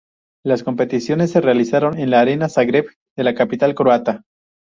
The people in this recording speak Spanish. Las competiciones se realizaron en la Arena Zagreb de la capital croata.